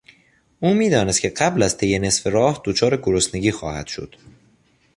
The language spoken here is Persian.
او میدانست که قبل از طی نصف راه دچار گرسنگی خواهد شد.